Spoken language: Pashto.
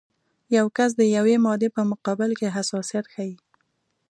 یو کس د یوې مادې په مقابل کې حساسیت ښیي.